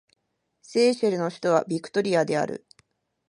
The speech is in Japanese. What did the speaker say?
セーシェルの首都はビクトリアである